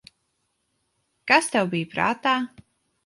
Kas tev bija prātā?